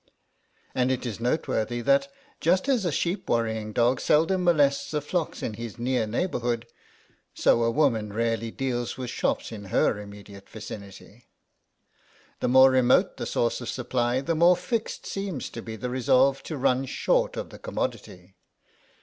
And it is noteworthy that, just as a sheep worrying dog seldom molests the flocks in his near neighbourhood, so a woman rarely deals with shops in her immediate vicinity. The more remote the source of supply the more fixed seems to be the resolve to run short of the commodity.